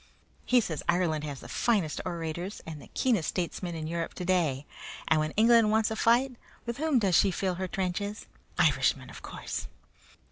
He says Ireland has the finest orators and the keenest statesmen in Europe today, and when England wants to fight, with whom does she fill her trenches? Irishmen, of course!